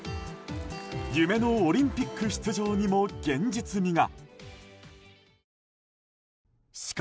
夢のオリンピック出場にも現実味が。